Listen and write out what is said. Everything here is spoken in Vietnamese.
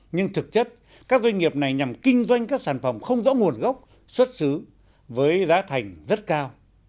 nhưng thực chất các doanh nghiệp này nhằm kinh doanh các sản phẩm không rõ nguồn gốc xuất xứ với giá thành rất cao